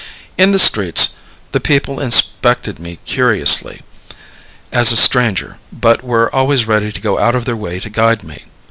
In the streets, the people inspected me curiously, as a stranger, but were always ready to go out of their way to guide me.